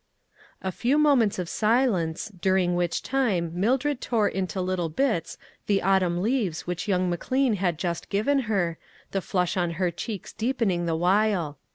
A few moments of silence, during which time Mildred tore into little bits the autumn leaves which young McLean had just given her, the flush on her cheeks deepening the while.